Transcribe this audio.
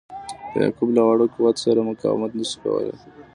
د یعقوب له واړه قوت سره مقاومت نه سو کولای.